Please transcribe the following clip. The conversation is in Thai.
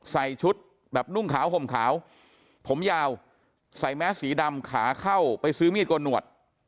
ใส่ชุดแบบนุ่งขาวห่มขาวผมยาวใส่แมสสีดำขาเข้าไปซื้อมีดโกนหนวด